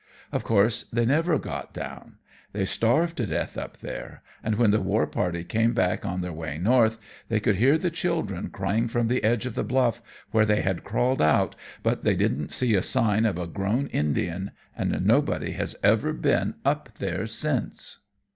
Of course they never got down. They starved to death up there, and when the war party came back on their way north, they could hear the children crying from the edge of the bluff where they had crawled out, but they didn't see a sign of a grown Indian, and nobody has ever been up there since."